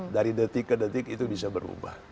dari detik ke detik itu bisa berubah